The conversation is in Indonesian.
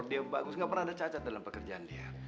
dia bagus gak pernah ada cacat dalam pekerjaan dia